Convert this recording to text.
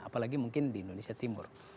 apalagi mungkin di indonesia timur